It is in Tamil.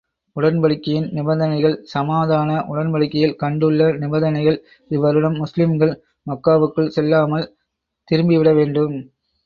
உடன்படிக்கையின் நிபந்தனைகள் சமாதான உடன்படிக்கையில் கண்டுள்ள நிபந்தனைகள் இவ்வருடம் முஸ்லிம்கள் மக்காவுக்குள் செல்லாமல் திரும்பி விட வேண்டும்.